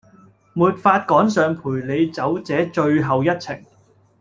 沒法趕上陪你走這最後一程